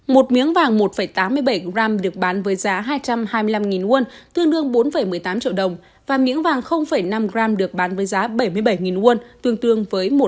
một miếng vàng một tám mươi bảy gram được bán với giá hai trăm hai mươi năm won và miếng vàng năm gram được bán với giá bảy mươi bảy won